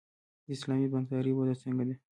د اسلامي بانکدارۍ وده څنګه ده؟